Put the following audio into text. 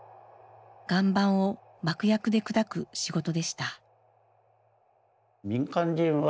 岩盤を爆薬で砕く仕事でした。